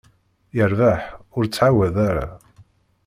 Yerbeḥ, ur ttɛawadeɣ ara.